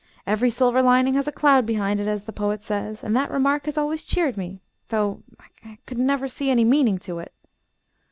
Every silver lining has a cloud behind it, as the poet says; and that remark has always cheered me; though I never could see any meaning to it.